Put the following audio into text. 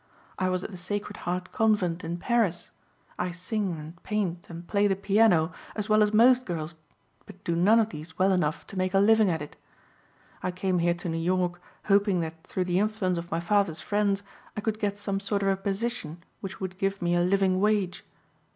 I was at the Sacred Heart Convent in Paris. I sing and paint and play the piano as well as most girls but do none of these well enough to make a living at it. I came here to New York hoping that through the influence of my father's friends I could get some sort of a position which would give me a living wage."